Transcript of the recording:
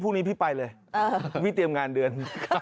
พรุ่งนี้พี่ไปเลยพี่เตรียมงานเดือน